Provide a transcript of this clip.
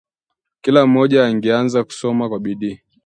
Kila mmoja angeanza kusoma kwa bidii